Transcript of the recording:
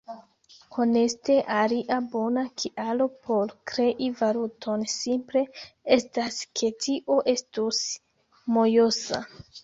Honeste, alia bona kialo por krei valuton simple estas ke tio estus mojosa.